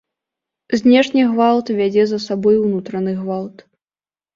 Знешні гвалт вядзе за сабой унутраны гвалт.